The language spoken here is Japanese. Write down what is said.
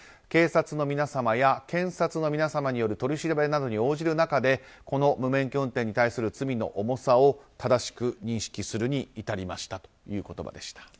警察の皆様や検察の皆様による取り調べなどに応じる中でこの無免許運転に対する罪の重さを正しく認識するに至りましたという言葉でした。